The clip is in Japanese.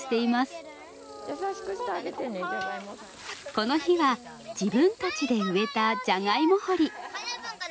この日は自分たちで植えたじゃがいも掘り。